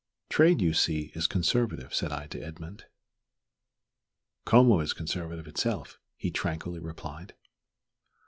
"Trade, you see, is conservative," said I to Edmund. "Como is conservatism itself," he tranquilly replied.